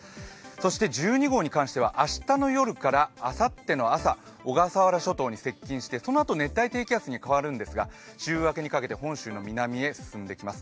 そして１２号に関しては明日の夜からあさっての朝、小笠原諸島に接近してそのあと熱帯低気圧に変わるんですが週末にかけて本州の南へ進んできます。